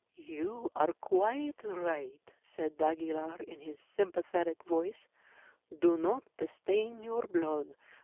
"You are quite right," said d'Aguilar in his sympathetic voice. "Do not stain your blood.